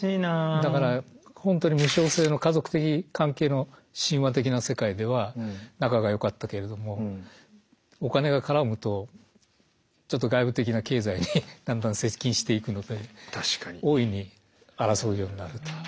だから本当に無償性の家族的関係の親和的な世界では仲が良かったけれどもお金が絡むとちょっと外部的な経済にだんだん接近していくので大いに争うようになると。